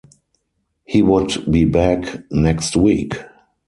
He would be back next week.